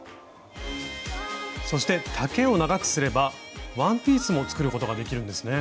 そして丈を長くすればワンピースも作ることができるんですね。